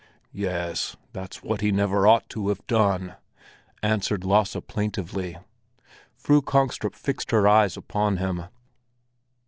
"Yes, that's what he never ought to have done!" answered Lasse plaintively. Fru Kongstrup fixed her eyes upon him.